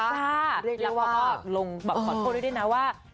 เรียกได้ว่า